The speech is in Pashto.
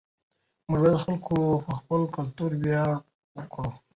موږ باید په خپل کلتور ویاړ وکړو.